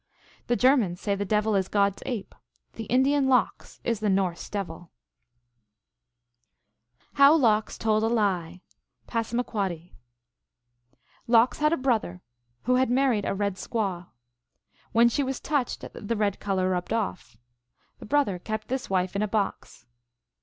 The Germans say the devil is God s ape ; the Indian Lox is the Norse devil s. How Lox told a Lie. (Passamaquoddy.) Lox had a brother, who had married a red squaw. When she was touched the red color rubbed off. The brother kept this wife in a box.